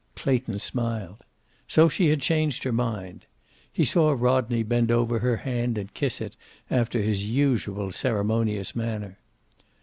Clayton smiled. So she had changed her mind. He saw Rodney bend over her hand and kiss it after his usual ceremonious manner.